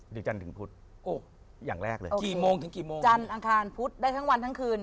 หรือจันทร์ถึงพุทธอย่างแรกเลยจันทร์อังคารพุทธได้ทั้งวันทั้งคืน